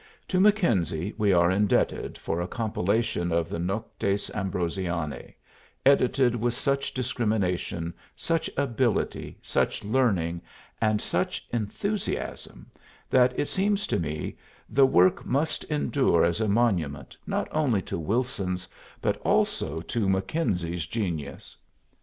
To Mackenzie we are indebted for a compilation of the "Noctes Ambrosianae," edited with such discrimination, such ability, such learning, and such enthusiasm that, it seems to me, the work must endure as a monument not only to Wilson's but also to Mackenzie's genius.